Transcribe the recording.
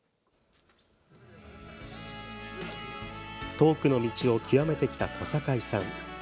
トークの道を究めてきた小堺さん。